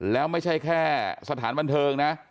แล้วไม่ใช่แค่สถานบันเทิงนะ